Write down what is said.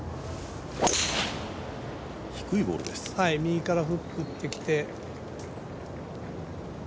右からフック打ってきて。